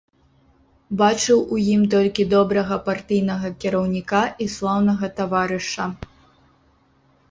Бачыў у ім толькі добрага партыйнага кіраўніка і слаўнага таварыша.